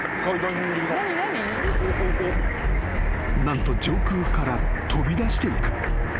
［何と上空から飛び出していく］